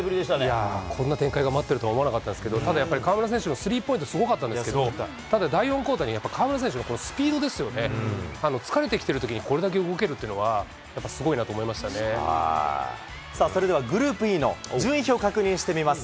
いやー、こんな展開があるとは思わなかったですけど、ただやっぱり河村選手のスリーポイント、すごかったんですけど、第４クオーター、河村選手のスピードですよね、疲れてきてるときにこれだけ動けるというのは、やっぱりすごいなそれではグループＥの順位表、確認してみます。